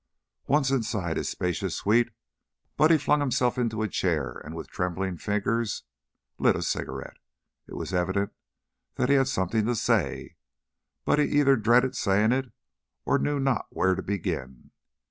Once inside his spacious suite, Buddy flung himself into a chair and with trembling fingers lit a cigarette. It was evident that he had something to say, but either dreaded saying it or knew not where to begin.